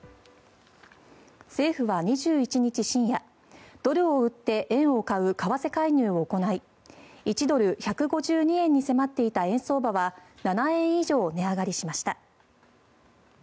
政府は２１日深夜、ドルを売って円を買う為替介入を行い１ドル＝１５２円に迫っていた円相場は７円以上値上がりしました。